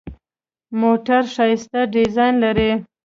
موټر ښایسته ډیزاین لري.